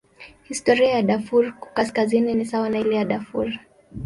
Historia ya Darfur Kaskazini ni sawa na ile ya Darfur.